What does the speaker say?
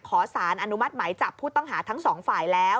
ขอสารอนุมัติหมายจับผู้ต้องหาทั้งสองฝ่ายแล้ว